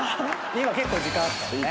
今結構時間あったよね。